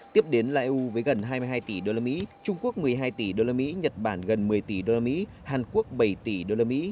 tiếp đến eu với gần hai mươi hai tỷ usd trung quốc một mươi hai tỷ usd nhật bản gần một mươi tỷ usd hàn quốc bảy tỷ usd